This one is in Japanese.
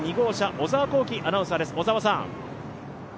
小沢光葵アナウンサーです。